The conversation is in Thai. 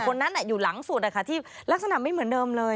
คนนั้นอยู่หลังสุดที่ลักษณะไม่เหมือนเดิมเลย